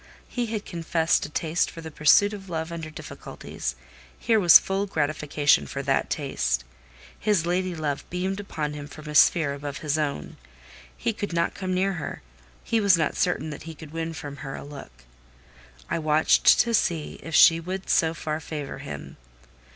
He had confessed a taste for the pursuit of love under difficulties; here was full gratification for that taste. His lady love beamed upon him from a sphere above his own: he could not come near her; he was not certain that he could win from her a look. I watched to see if she would so far favour him.